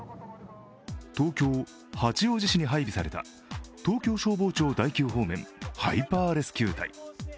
東京・八王子市に配備された東京消防庁第９方面ハイパーレスキュー隊。